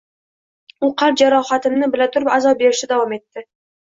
U qalb jarohatimni bila turib azob berishda davom etdi.